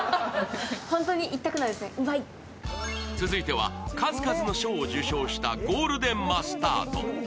続いては数々の賞を受賞したゴールデンマスタード。